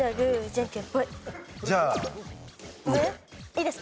いいですか？